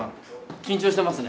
緊張してますね。